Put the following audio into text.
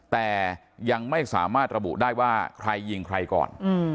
แต่ยังไม่สามารถระบุได้ว่าใครยิงใครก่อน